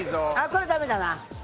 これダメだな。